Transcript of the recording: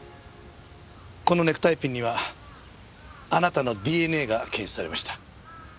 このネクタイピンにはあなたのＤＮＡが検出されました。